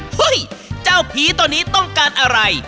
เฮ้ยเจ้าผีตัวนี้ต้องการอะไร